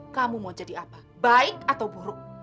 kamu mau jadi apa baik atau buruk